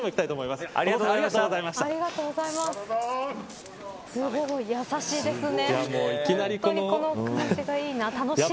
すごい、やさしいですね。